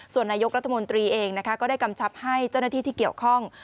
ส่วนนายกรัฐมนตรีเองก็ได้กำชับให้เจ้าหน้าที่ที่เกี่ยวข้อง